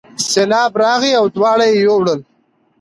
سیلاب راغی او دواړه یې یووړل.